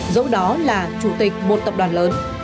dẫu đó là chủ tịch một tập đoàn lớn